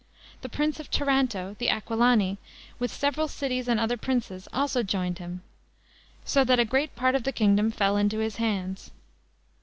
The prince of Taranto, the Aquilani, with several cities and other princes, also joined him; so that a great part of the kingdom fell into his hands.